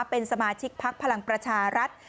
เป็นสมาชิกพักพลังประชารัฐ